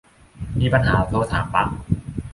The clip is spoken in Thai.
มีปัญหาโทรถามบั๊ก